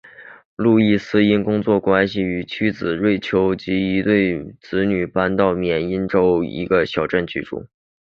路易斯因工作关系与妻子瑞秋及一对子女搬到缅因州的一个小镇居住。